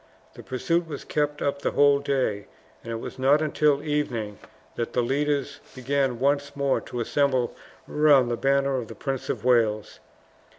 The pursuit was kept up the whole day, and it was not until evening that the leaders began once more to assemble round the banner of the Prince of Wales.